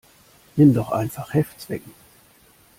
Nimm doch einfach Heftzwecken.